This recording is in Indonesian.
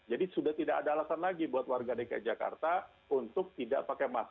jadi sudah tidak ada alasan lagi buat warga dki jakarta untuk tidak pakai masker